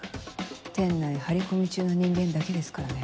店内張り込み中の人間だけですからね。